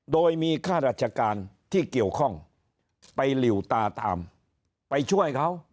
โดยมีข้าราชการที่เกี่ยวข้องไปหลิวตาตามไปช่วยเขา